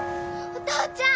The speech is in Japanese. お父ちゃん！